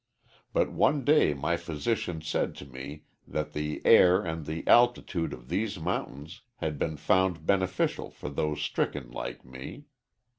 But one day my physician said to me that the air and the altitude of these mountains had been found beneficial for those stricken like me.